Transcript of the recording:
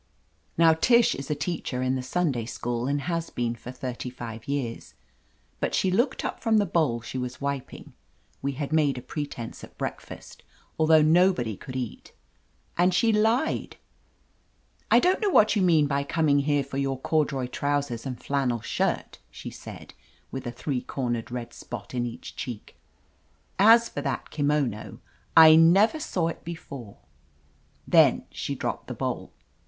Now Tish is a teacher in the Sunday School and has been for thirty five years. But she looked up from the bowl she was wiping — ^we had made a pretense at breakfast, although no body could eat — and she lied. "I don't know what you mean by coming here for your corduroy trousers and flannel shirt/' she said, with a three cornered red spot in each cheek. "As for that kimono, I never saw it before^ Then she dropped the bowl.